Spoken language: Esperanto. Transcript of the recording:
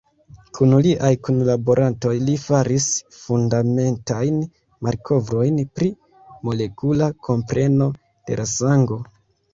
Kun liaj kunlaborantoj li faris fundamentajn malkovrojn pri molekula kompreno de la sango.